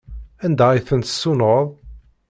Anda ay ten-tessunɣeḍ?